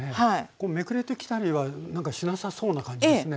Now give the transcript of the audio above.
こうめくれてきたりはしなさそうな感じですね。